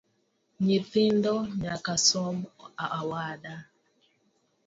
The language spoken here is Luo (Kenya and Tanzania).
Nyithindo nyaka som awada